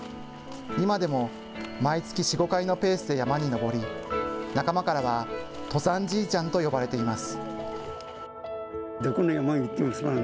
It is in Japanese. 今でも毎月４、５回のペースで山に登り、仲間からは登山じいちゃんと呼ばれています。